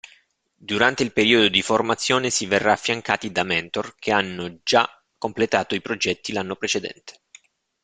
Durante il periodo di formazione si verrà affiancati da Mentor che hanno già completato i progetti l'anno precedente.